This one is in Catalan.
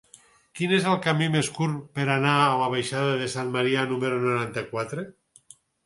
Quin és el camí més curt per anar a la baixada de Sant Marià número noranta-quatre?